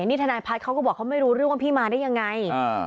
นี่ทนายพัฒน์เขาก็บอกเขาไม่รู้เรื่องว่าพี่มาได้ยังไง